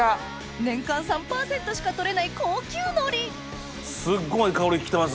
年間３％しか取れない高級海苔すっごい香り来てます。